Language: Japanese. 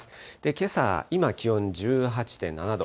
けさ、今、気温１８．７度。